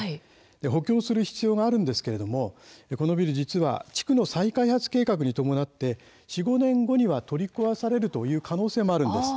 補強する必要があるんですけれどもこのビル実は地区の再開発計画に伴って４、５年後には取り壊される可能性もあるんです。